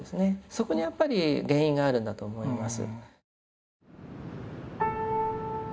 そこにやっぱり原因があるんだと思います。